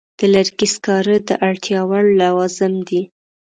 د لرګي سکاره د اړتیا وړ لوازم دي.